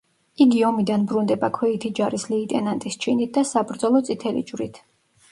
იგი ომიდან ბრუნდება ქვეითი ჯარის ლეიტენანტის ჩინით და საბრძოლო წითელი ჯვრით.